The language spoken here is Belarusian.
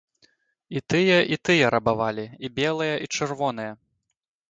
І тыя, і тыя рабавалі, і белыя, і чырвоныя.